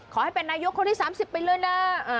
ขอให้เป็นนายกคนที่๓๐ไปเลยนะ